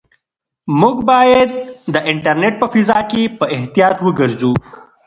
موږ باید د انټرنيټ په فضا کې په احتیاط وګرځو.